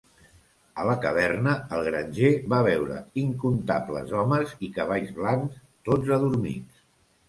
"A la caverna, el granger va veure incomptables homes i cavalls blancs, tots adormits."